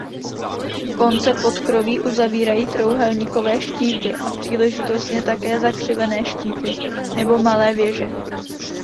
Konce podkroví uzavírají trojúhelníkové štíty a příležitostně také zakřivené štíty nebo malé věže.